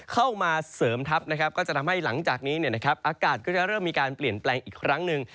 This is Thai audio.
เข้ามาเสริมทัพนะครับก็จะทำให้หลังจากนี้อากาศก็จะเริ่มมีการเปลี่ยนแปลงอีกครั้งหนึ่ง